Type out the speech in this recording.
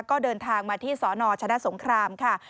ก็เดินทางมาที่สอนอดินแดงชนะสงครามค่ะ